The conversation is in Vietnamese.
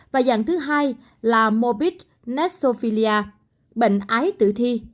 và dạng thứ hai là morbid necrophilia bệnh ái tử thi